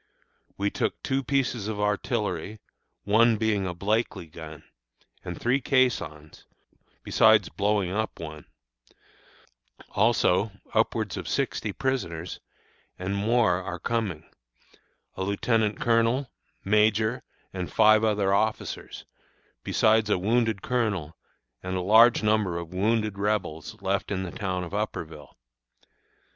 We took two pieces of artillery, one being a Blakely gun, and three caissons, besides blowing up one; also, upwards of sixty prisoners, and more are coming; a lieutenant colonel, major, and five other officers, besides a wounded colonel and a large number of wounded Rebels left in the town of Upperville.